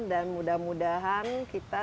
dan mudah mudahan kita